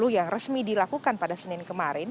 yang resmi dilakukan pada senin kemarin